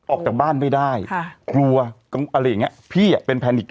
ออกจากบ้านไม่ได้กลัวอะไรอย่างเงี้ยพี่เป็นแพนิก